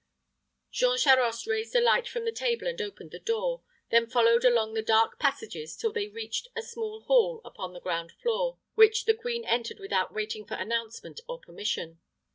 Jean Charost raised a light from the table and opened the door, then followed along the dark passages till they reached a small hall upon the ground floor, which the queen entered without waiting for announcement or permission.